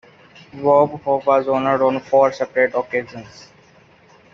Bob Hope was honored on four separate occasions.